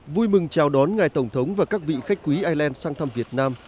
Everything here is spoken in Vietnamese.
vui mừng chào đón ngài tổng thống và các vị khách quý ireland sang thăm việt nam